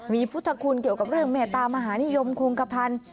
มีพุทธคุณเกี่ยวกับเรื่องเมตตามหานิยมคงกระพันธ์